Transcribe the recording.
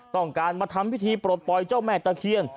ต้องการมาทำพิธีปลดปล่อยเจ้าแม่ตะเคียน